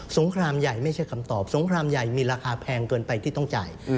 งครามใหญ่ไม่ใช่คำตอบสงครามใหญ่มีราคาแพงเกินไปที่ต้องจ่าย